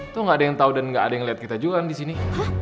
tuh gak ada yang tau dan gak ada yang liat kita juga disini